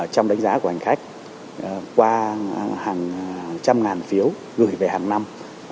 trong đánh giá của hành khách qua hàng trăm ngàn phiếu gửi về hàng năm